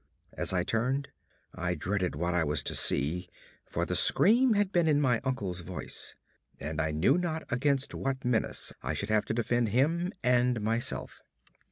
As I turned, I dreaded what I was to see; for the scream had been in my uncle's voice, and I knew not against what menace I should have to defend him and myself.